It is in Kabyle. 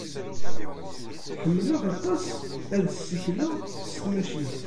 Ḥemmleɣ aṭas ad ssikleɣ s tmacint.